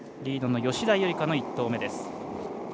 リードの吉田夕梨花の１投目。